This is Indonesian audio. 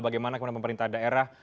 bagaimana kepada pemerintah daerah